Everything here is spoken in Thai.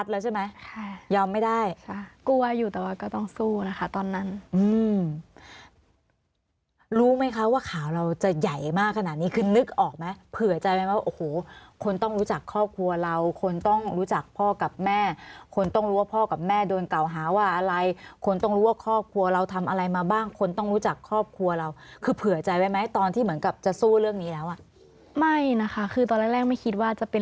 แล้วใช่ไหมยอมไม่ได้กลัวอยู่แต่ว่าก็ต้องสู้นะคะตอนนั้นรู้ไหมคะว่าข่าวเราจะใหญ่มากขนาดนี้คือนึกออกไหมเผื่อใจไหมว่าโอ้โหคนต้องรู้จักครอบครัวเราคนต้องรู้จักพ่อกับแม่คนต้องรู้ว่าพ่อกับแม่โดนเก่าหาว่าอะไรคนต้องรู้ว่าครอบครัวเราทำอะไรมาบ้างคนต้องรู้จักครอบครัวเราคือเผื่อใจไว้ไหมตอนที่เหมือนกับจะสู้เรื่องนี้แล้วอ่ะไม่นะคะคือตอนแรกไม่คิดว่าจะเป็น